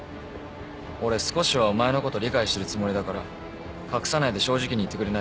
俺少しはお前のこと理解してるつもりだから隠さないで正直に言ってくれないか？